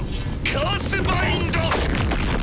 カースバインド！